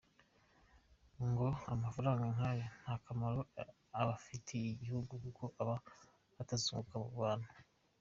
Ngo amafaranga nk’ayo nta kamaro abafitiye igihugu kuko aba atazunguruka mu bantu.